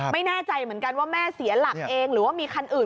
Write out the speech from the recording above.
ไม่แน่ใจเหมือนกันว่าแม่เสียหลักเองหรือว่ามีคันอื่น